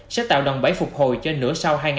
sẽ tạo đòn bẫy phục hồi cho nửa